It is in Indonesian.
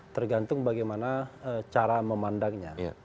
tergantung bagaimana cara memandangnya